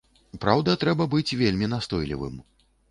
Праўда, трэба быць вельмі настойлівым.